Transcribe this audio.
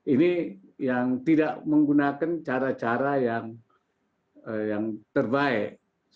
ini yang tidak menggunakan cara cara yang terbaik